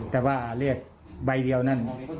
แต่ว่าเลขใบเดียวนั่น